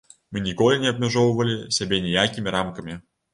Мы ніколі не абмяжоўвалі сябе ніякімі рамкамі.